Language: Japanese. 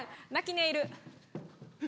ネイル